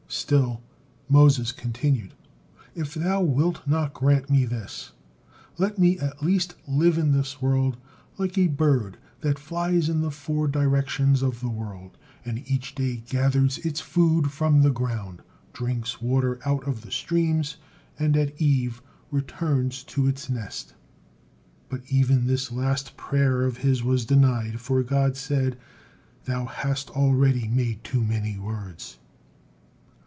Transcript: Still Moses continued: "If Thou wilt not grant me this, let me at least live in this world like a bird that flies in the four directions of the world, and each day gathers its food from the ground, drinks water out of the streams, and at eve returns to its nest." But even this last prayer of his was denied, for God said, "Thou hast already made too many words."